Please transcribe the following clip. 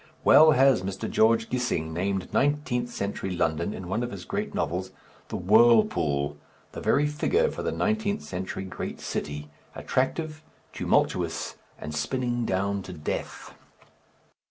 Well has Mr. George Gissing named nineteenth century London in one of his great novels the "Whirlpool," the very figure for the nineteenth century Great City, attractive, tumultuous, and spinning down to death.